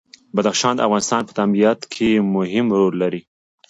بدخشان د افغانستان په طبیعت کې مهم رول لري.